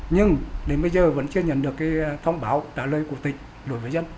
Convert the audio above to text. nhưng đến bây giờ vẫn chưa nhận được thông báo trả lời của tỉnh